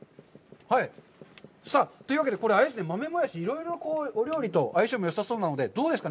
さあ、というわけで、これ、豆もやし、いろいろお料理と相性もよさそうなので、どうですか？